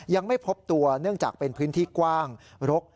ยังไม่พบตัวเนื่องจากเป็นพื้นที่กว้างรก